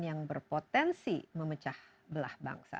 yang berpotensi memecah belah bangsa